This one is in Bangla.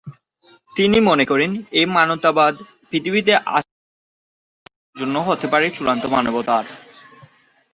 তিনি মনে করেন এই মানবতাবাদ পৃথিবীতে অস্তিত্বশীল মানুষের জন্য হতে পারে চূড়ান্ত মানবতার।